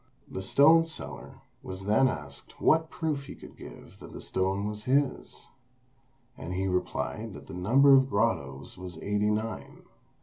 The stone seller was then asked what proof he could give that the stone was his; and he replied that the number of grottoes was eighty nine.